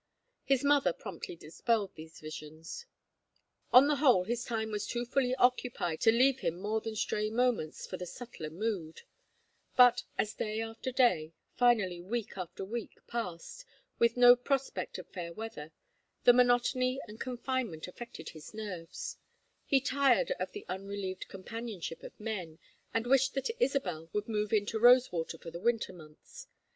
His mother promptly dispelled these visions. On the whole his time was too fully occupied to leave him more than stray moments for the subtler mood; but as day after day, finally week after week passed, with no prospect of fair weather, the monotony and confinement affected his nerves, he tired of the unrelieved companionship of men, and wished that Isabel would move in to Rosewater for the winter months.